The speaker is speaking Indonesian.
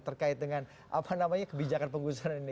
terkait dengan kebijakan penggusuran ini